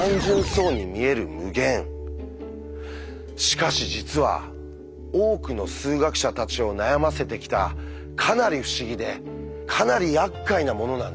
しかし実は多くの数学者たちを悩ませてきたかなり不思議でかなりやっかいなものなんです。